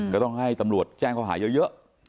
ก็ต้องให้ตำรวจแจ้งเขาหาเยอะ